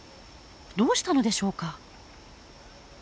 どうしたのでしょうか？